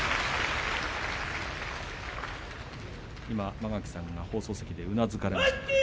間垣さんが放送席でうなずかれました。